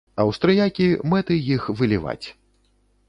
Аўстрыякі мэты іх выліваць.